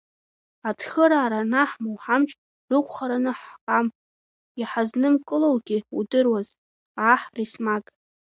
Ацхыраара анаҳмоу, ҳамч рықәхараны ҳҟам, ишҳазнымкылоугьы удыруаз, аҳ Ресмаг!